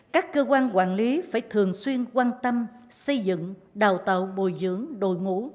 các cơ quan quản lý phải thường xuyên quan tâm xây dựng đào tạo bồi dưỡng đội ngũ